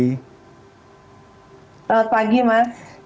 selamat pagi mas